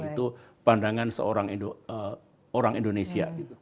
itu pandangan seorang orang indonesia